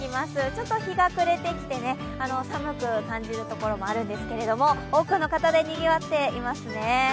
ちょっと日が暮れてきて寒く感じるところもあるんですけれども、多くの方でにぎわっていますね。